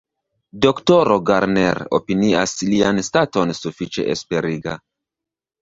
Doktoro Garner opinias lian staton sufiĉe esperiga.